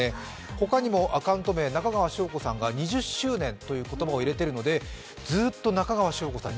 他にもアカウント名、中川翔子さんが２０周年という言葉を入れているので中川翔子さん